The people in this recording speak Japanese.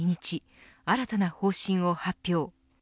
新たな方針を発表。